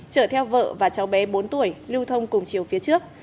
chở theo vợ và cháu bé bốn tuổi lưu thông cùng chiều phía trước